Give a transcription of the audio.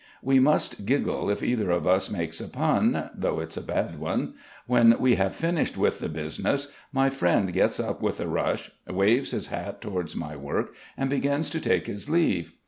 We must giggle if either of us makes a pun, though it's a bad one. When we have finished with the business, my friend gets up with a rush, waves his hat towards my work, and begins to take his leave.